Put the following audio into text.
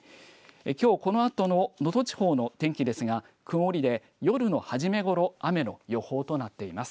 きょうこのあとの能登地方の天気ですが曇りで夜の初めごろ雨の予報となっています。